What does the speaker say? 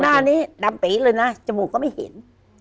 หน้านี้ดำปีเลยนะจมูกก็ไม่เห็น